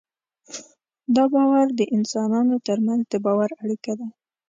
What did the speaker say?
دا باور د انسانانو تر منځ د باور اړیکه ده.